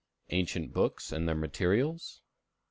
Ancient Books and their Materials.